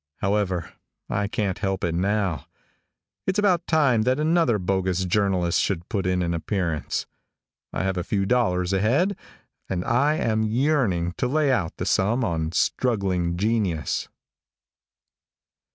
However, I can't help it now. It's about time that another bogus journalist should put in an appearance. I have a few dollars ahead, and I am yearning to lay out the sum on struggling genius.